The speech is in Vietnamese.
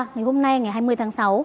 ngày hôm nay ngày hai mươi tháng sáu